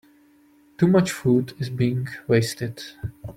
Too much food is being wasted.